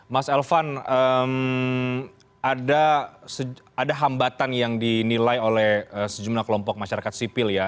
mas elvan ada hambatan yang dinilai oleh sejumlah kelompok masyarakat sipil ya